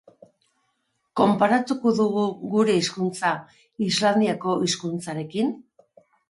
Konparatuko dugu gure hizkuntza Islandiako hizkuntzarekin?